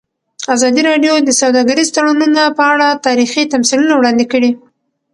ازادي راډیو د سوداګریز تړونونه په اړه تاریخي تمثیلونه وړاندې کړي.